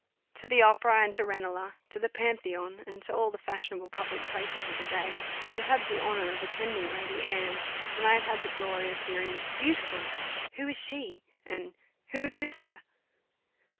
To the Opera and to Ranelagh, to the Pantheon, and to all the fashionable public places of the day, I had had the honour of attending Lady Anne; and I had had the glory of hearing "Beautiful!" "Who is she?" and "Who is with her?"